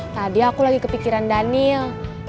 tadi aku lagi kepikiran daniel